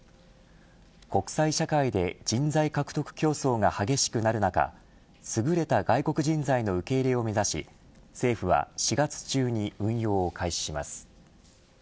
国際社会で人材獲得競争が激しくなる中優れた外国人材の受け入れを目指し政府は４月中に運用を開始します。